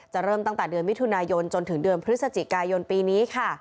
เริ่มตั้งแต่เดือนมิถุนายนจนถึงเดือนพฤศจิกายนปีนี้ค่ะ